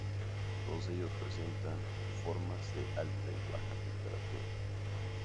Todos ellos presentan formas de alta y baja temperatura.